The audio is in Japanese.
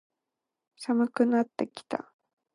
寒くなってきた。